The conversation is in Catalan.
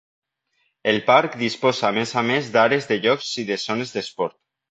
El parc disposa a més a més d'àrees de jocs i de zones d'esport.